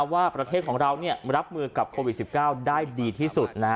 ว่าประเทศของเรารับมือกับโควิด๑๙ได้ดีที่สุด